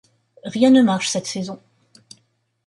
Rien ne marche cette saison.